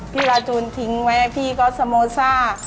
พี่ราจูลทิ้งไว้ให้พี่ก็สโมซ่า